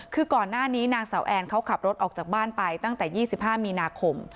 คือก่อนหน้านี้นางสาวแอนเขาขับรถออกจากบ้านไปตั้งแต่๒๕มีนาคม